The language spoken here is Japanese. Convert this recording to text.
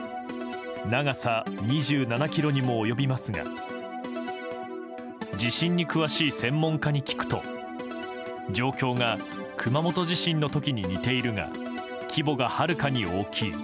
長さ２７ｋｍにも及びますが地震に詳しい専門家に聞くと状況が熊本地震の時に似ているが規模がはるかに大きい。